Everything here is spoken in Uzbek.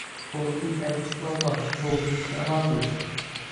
To'g'rilik aytishga oson, to'g'rilikka amal qilish